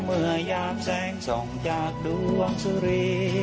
เมื่อยามแสงส่องจากดวงสุรี